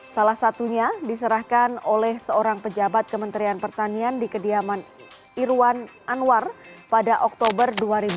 salah satunya diserahkan oleh seorang pejabat kementerian pertanian di kediaman irwan anwar pada oktober dua ribu dua puluh